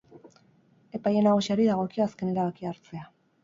Epaile nagusiari dagokio azken erabakia hartzea.